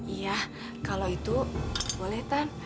iya kalau itu boleh tan